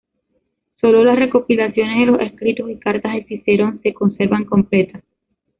Solo las recopilaciones de los escritos y cartas de Cicerón se conservan completas.